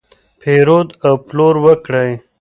پیرود او پلور وکړئ.